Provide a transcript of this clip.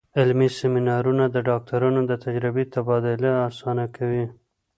علمي سیمینارونه د ډاکټرانو د تجربې تبادله اسانه کوي.